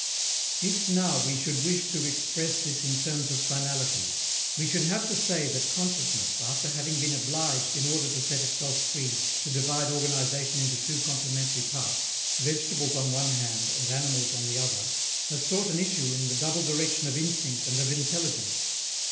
If, now, we should wish to express this in terms of finality, we should have to say that consciousness, after having been obliged, in order to set itself free, to divide organization into two complementary parts, vegetables on one hand and animals on the other, has sought an issue in the double direction of instinct and of intelligence.